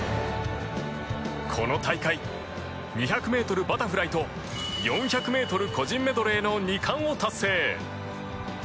この大会２００ｍバタフライと４００ｍ個人メドレーの２冠を達成。